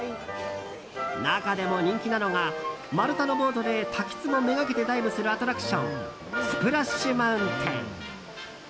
中でも人気なのが丸太のボートで滝つぼ目がけてダイブするアトラクションスプラッシュ・マウンテン。